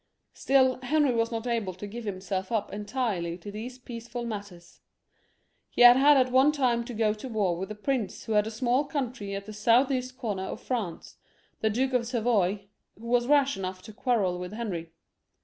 Still Henry was not able to give himself up entirely to these peaceful matters. He had at one time to go to war with a prince who had a small country at the south east comer of France, the Duke of Savoy, who was rash enough to quarrel with Henry.